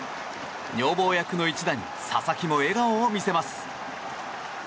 女房役の一打に佐々木も笑顔を見せます。